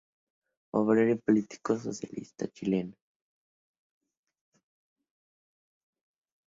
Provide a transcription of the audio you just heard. Obrero y político socialista chileno.